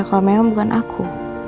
kalau memang bukan aku